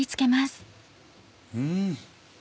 うん！